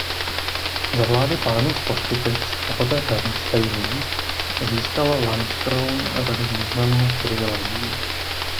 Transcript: Za vlády pánů z Postupic a poté Pernštejnů získal Lanškroun řadu významných privilegií.